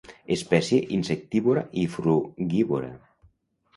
Espècie insectívora i frugívora.